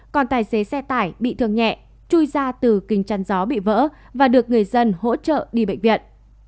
còn tài xế xe tải bị thương nhẹ chui ra từ kinh trần gió bị vỡ và được người dân hỗ trợ đi bệnh viện